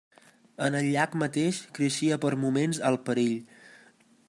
En el llac mateix creixia per moments el perill.